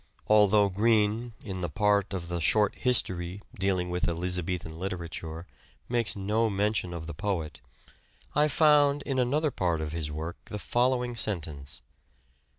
Although Green, in the part of the " Short History " dealing with Eliza bethan literature, makes no mention of the poet, I found in another part of his work the following sentence.